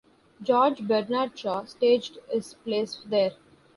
George Bernard Shaw staged his plays there.